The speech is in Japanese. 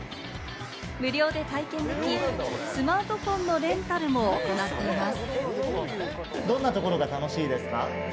無料で体験でき、スマートフォンのレンタルも行っています。